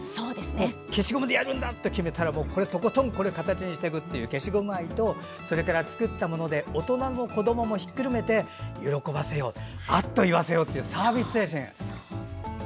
消しゴムでやるんだと決めたらとことん形にしていくという消しゴム愛とそれから作ったもので大人も子どももひっくるめて喜ばせようあっと言わせようというサービス精神。